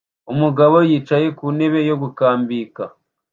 Umugabo yicaye ku ntebe yo gukambika